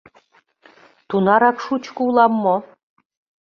Тунарак шучко улам мо?